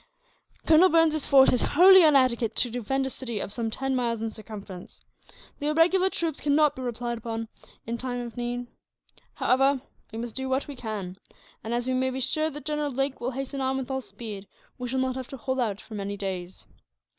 Colonel Burns's force is wholly inadequate to defend a city of some ten miles in circumference. The irregular troops cannot be relied upon, in case of need. However, we must do what we can and, as we may be sure that General Lake will hasten on with all speed, we shall not have to hold out for many days.